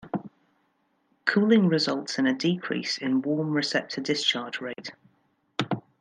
Cooling results in a decrease in warm receptor discharge rate.